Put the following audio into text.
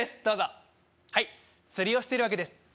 どうぞはい釣りをしてるわけです